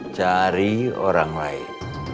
cari orang lain